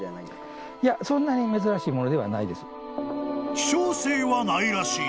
［希少性はないらしい。